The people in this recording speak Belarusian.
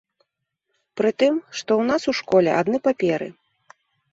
Прытым, што ў нас у школе адны паперы.